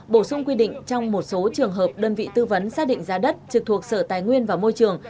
bổ sung quy định trong một số trường hợp đơn vị tư vấn xác định giá đất trực thuộc sở tài nguyên và môi trường